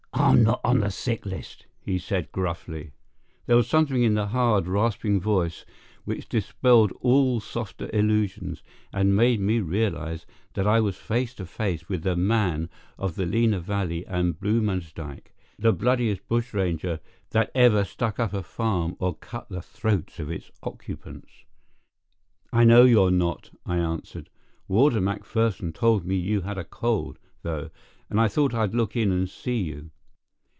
"I'm not on the sick list," he said, gruffly. There was something in the hard, rasping voice which dispelled all softer illusions, and made me realize that I was face to face with the man of the Lena Valley and Bluemansdyke, the bloodiest bushranger that ever stuck up a farm or cut the throats of its occupants. "I know you're not," I answered. "Warder McPherson told me you had a cold, though, and I thought I'd look in and see you."